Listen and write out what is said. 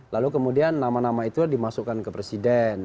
lalu kemudian nama nama itu dimasukkan ke presiden